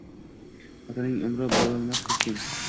Otaning urnini bosolmas xechkim